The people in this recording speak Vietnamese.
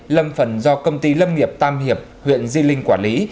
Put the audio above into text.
lâm phần do công ty lâm nghiệp tam hiệp huyện di linh quản lý